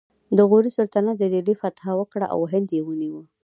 د غوري سلطنت د دهلي فتحه وکړه او هند یې ونیو